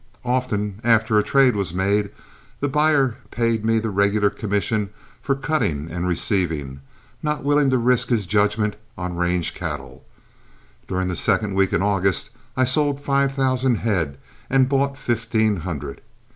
Often, after a trade was made, the buyer paid me the regular commission for cutting and receiving, not willing to risk his judgment on range cattle. During the second week in August I sold five thousand head and bought fifteen hundred.